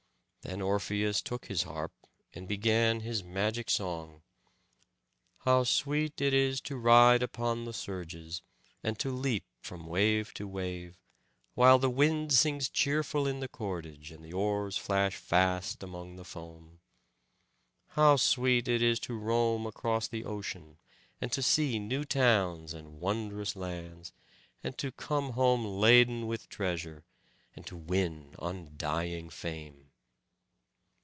Then Orpheus took his harp, and began his magic song: "How sweet it is to ride upon the surges, and to leap from wave to wave, while the wind sings cheerful in the cordage, and the oars flash fast among the foam! How sweet it is to roam across the ocean, and see new towns and wondrous lands, and to come home laden with treasure, and to win undying fame!"